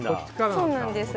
そうなんです。